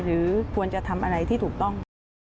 หรือควรจะทำอะไรที่ถูกต้อง